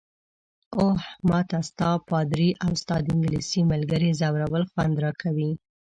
اوه، ما ته ستا، پادري او ستا د انګلیسۍ ملګرې ځورول خوند راکوي.